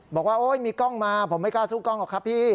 บอกว่าโอ๊ยมีกล้องมาผมไม่กล้าสู้กล้องหรอกครับพี่